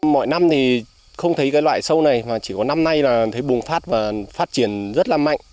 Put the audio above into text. mọi năm thì không thấy cái loại sâu này chỉ có năm nay là thấy bùng phát và phát triển rất là mạnh